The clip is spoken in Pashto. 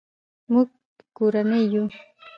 مونږ کورنۍ یو